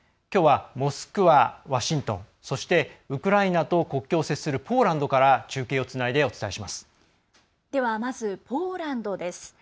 きょうは、モスクワワシントンそしてウクライナと国境を接するポーランドから中継をつないでお伝えします。